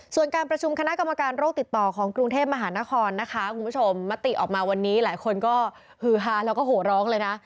ส่วนการประชุมคณะกรรมการโรคติดต่อของกรุงเทพมหานครนะคะคุณผู้ชมมติออกมาวันนี้หลายคนก็ฮือฮาแล้วก็โหร้องเลยนะ